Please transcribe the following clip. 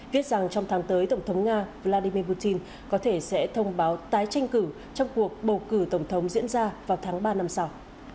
viết rằng trong tháng tới tổng thống nga vladimir putin có thể sẽ thông báo tái tranh cử trong cuộc bầu cử tổng thống diễn ra vào tháng ba năm sau